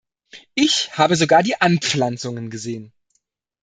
Ich habe sogar die Anpflanzungen gesehen.